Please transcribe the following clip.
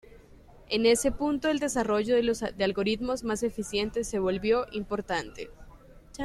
En ese punto el desarrollo de algoritmos más eficientes se volvió importante.